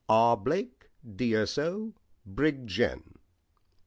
R. Blake, D.S.O., Brig. Gen."